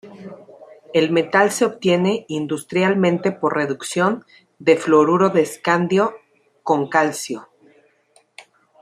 El metal se obtiene industrialmente por reducción del fluoruro de escandio con calcio.